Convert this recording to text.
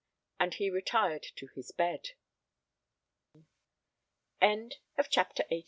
And he retired to his bed. CHAPTER XIX.